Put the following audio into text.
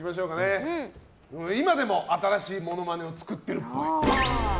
今でも新しいモノマネを作ってるっぽい。